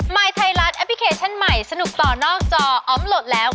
ยไทยรัฐแอปพลิเคชันใหม่สนุกต่อนอกจออมโหลดแล้ว